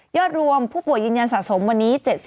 รวมผู้ป่วยยืนยันสะสมวันนี้๗๐